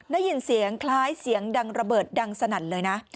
ได้ยินเสียงคล้ายเสียงดังระเบิดดังสนั่นเลยนะ